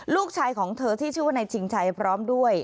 ลูกชายของเธอที่ชื่อว่านายชิงชัยพร้อมด้วย